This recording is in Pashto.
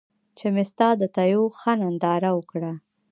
چې مې ستا د تېو ښه ننداره وکــړه